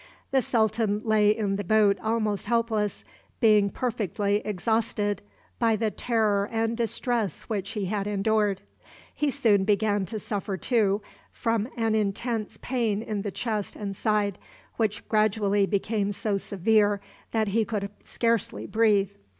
The sultan lay in the boat almost helpless, being perfectly exhausted by the terror and distress which he had endured. He soon began to suffer, too, from an intense pain in the chest and side, which gradually became so severe that he could scarcely breathe.